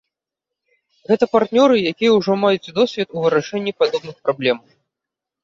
Гэта партнёры, якія ўжо маюць досвед у вырашэнні падобных праблем.